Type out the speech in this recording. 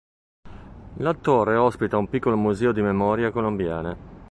La torre ospita un piccolo museo di memorie colombiane.